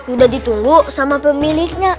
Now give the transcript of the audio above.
udah ditunggu sama pemiliknya